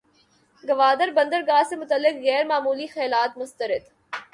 گوادر بندرگاہ سے متعلق غیر معمولی خیالات مسترد